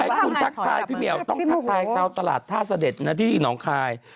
ให้คุณทักทายพี่เหมียวต้องทักทายชาวตลาดท่าเสด็จนะที่หนองคาย